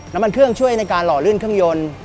น้ำมันเครื่องช่วยในการหล่อลื่นเครื่องยนต์